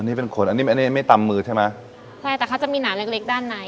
นี่เป็นคนอันนี้อันนี้ไม่ตำมือใช่ไหมใช่แต่เขาจะมีหนาเล็กเล็กด้านใน